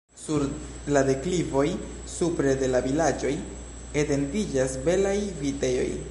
Sur la deklivoj supre de la vilaĝoj etendiĝas belaj vitejoj.